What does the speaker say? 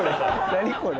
何これ？